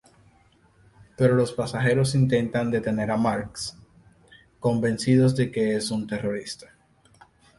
Pero los pasajeros intentan detener a Marks, convencidos de que es un terrorista.